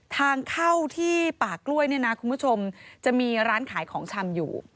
ทางเข้าที่ป่ากล้วยเนี่ยนะคุณผู้ชมจะมีร้านขายของชำอยู่